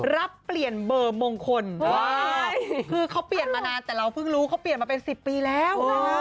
รับเปลี่ยนเบอร์มงคลคือเขาเปลี่ยนมานานแต่เราเพิ่งรู้เขาเปลี่ยนมาเป็น๑๐ปีแล้ว